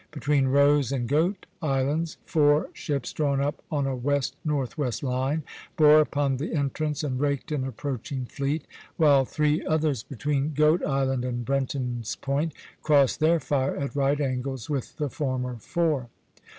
Between Rose and Goat islands four ships, drawn up on a west northwest line, bore upon the entrance and raked an approaching fleet; while three others, between Goat Island and Brenton's Point, crossed their fire at right angles with the former four.